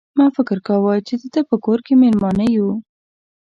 ما فکر کاوه چې د ده په کور کې مېلمانه یو.